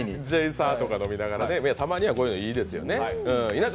チェイサーとか飲みながらたまにはこういうのもいいですよね。